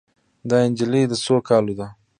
دا نجلۍ د څو کالو ده